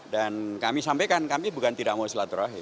dan kami sampaikan kami bukan tidak mau selaturah